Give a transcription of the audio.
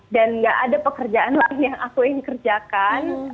dan gak ada pekerjaan lain yang aku ingin kerjakan